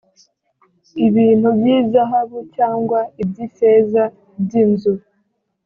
ibintu by’izahabu cyangwa iby’ifeza by’inzu